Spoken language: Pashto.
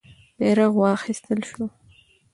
بیرغ واخیستل سو.